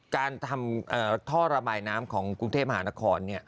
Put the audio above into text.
การทำท่อระบายน้ำของกรุงเทพมหานคร